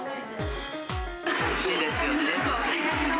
おいしいですよね。